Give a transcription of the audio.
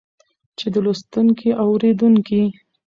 چې د لوستونکي او اورېدونکي